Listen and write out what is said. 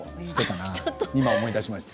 今、思い出しました。